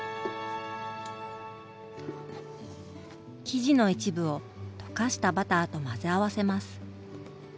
生地の一部を溶かしたバターと混ぜ合わせます。